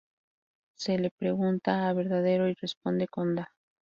Se le pregunta a Verdadero y responde con da.